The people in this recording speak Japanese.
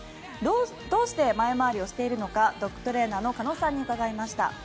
どうして前回りをしているのかドッグトレーナーの鹿野さんに伺いました。